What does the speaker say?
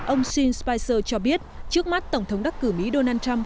ông sean spicer cho biết trước mắt tổng thống đắc cử mỹ donald trump